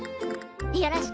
よろしく！